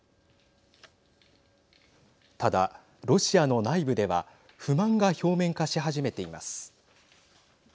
ただ、ロシアの内部では不満が表面化し始めています。